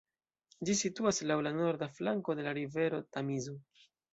Ĝi situas laŭ la norda flanko de la rivero Tamizo.